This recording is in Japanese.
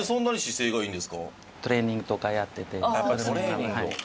やっぱトレーニングを。